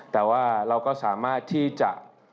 แต่ว่าเราก็สามารถที่จะ